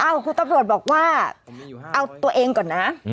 คุณตำรวจบอกว่าเอาตัวเองก่อนนะ